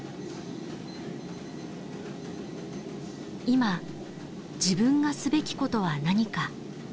「今自分がすべきことは何か」。